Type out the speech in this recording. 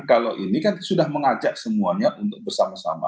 kalau ini kan sudah mengajak semuanya untuk bersama sama